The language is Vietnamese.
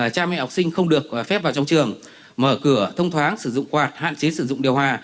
cha mẹ học sinh không được phép vào trong trường mở cửa thông thoáng sử dụng quạt hạn chế sử dụng điều hòa